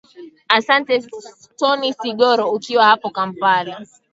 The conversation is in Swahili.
asante tony sigoro ukiwa hapo kampala